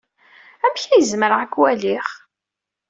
Amek ay zemreɣ ad k-waliɣ?